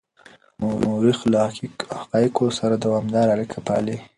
مورخ له حقایقو سره دوامداره اړیکه پالي.